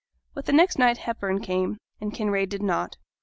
With the next night Hepburn came; and Kinraid did not.